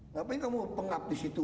ngapain kamu pengap di situ